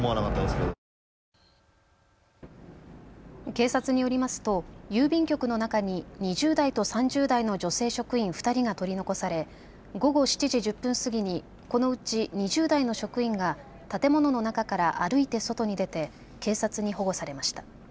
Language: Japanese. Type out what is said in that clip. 警察によりますと郵便局の中に２０代と３０代の女性職員２人が取り残され午後７時１０分過ぎにこのうち２０代の職員が建物の中から歩いて外に出て警察に保護されました。